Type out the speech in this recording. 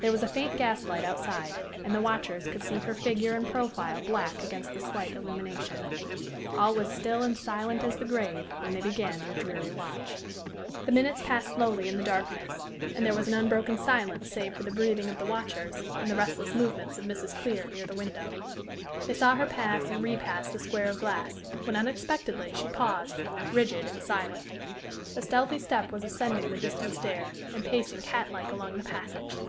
There was a faint gaslight outside, and the watchers could see her figure and profile black against the slight illumination. All was still and silent as the grave when they began their dreary watch. The minutes passed slowly in the darkness, and there was an unbroken silence save for the breathing of the watchers and the restless movements of Mrs. Clear near the window. They saw her pass and repass the square of glass, when, unexpectedly, she paused, rigid and silent. A stealthy step was ascending the distant stair, and pacing cat like along the passage.